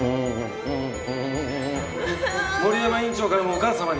森山院長からもお母様に。